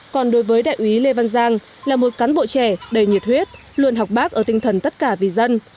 còn đối với đại úy lê văn giang là một cán bộ trẻ đầy nhiệt huyết luôn học bác ở tinh thần tất cả vì dân